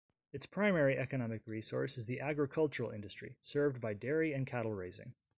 Its primary economic resource is the agricultural industry, served by dairy and cattle-raising.